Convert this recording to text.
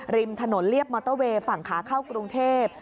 ริมถนนเรียบมอเตอร์เวย์ฝั่งขาเข้ากรุงเทพ